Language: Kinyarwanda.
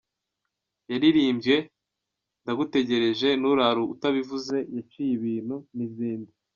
Yaririmbye ‘Ndagutegereje’, ‘Nturare Utabivuze’, ‘Yaciye Ibintu’ n’izindi.